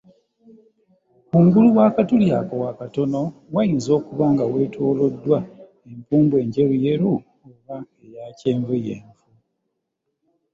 Kungulu w’akatuli ako akatono wayinza okuba nga weetooloddwa empumbu enjeruyeru oba eya kyenvuyenvu.